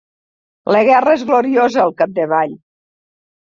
La guerra és gloriosa, al capdavall